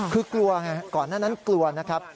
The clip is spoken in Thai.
คือกลัวไงก่อนหน้านั้นกลัวนะครับ